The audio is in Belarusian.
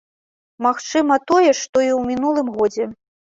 Магчыма, тое ж, што ў мінулым годзе.